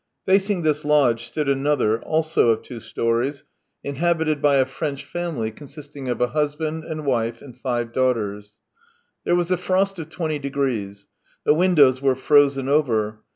Facing this lodge stood another, also of two storeys, THREE YEARS 245 inhabited by a French family consisting of a husband and wife and five daughters. There was a frost of twenty degrees. The windows were frozen over.